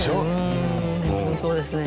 うんそうですね